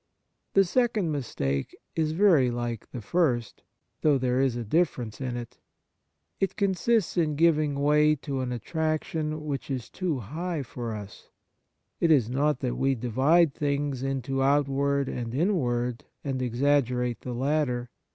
The second mistake is very like the first, though there is a difference in it. It consists in giving way to an attraction which is too g6 Kindness high for us. It is not that we divide things into outward and inward, and exaggerate the latter.